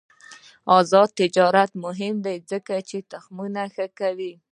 آزاد تجارت مهم دی ځکه چې تخمونه ښه کوي.